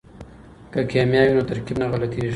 که کیمیا وي نو ترکیب نه غلطیږي.